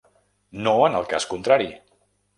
No en el cas contrari!